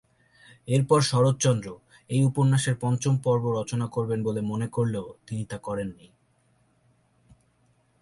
এরপর শরৎচন্দ্র এই উপন্যাসের পঞ্চম পর্ব রচনা করবেন বলে মনে করলেও তিনি তা করেননি।